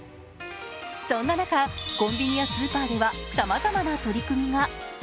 そんな中、コンビニやスーパーではさまざまな取り組みが。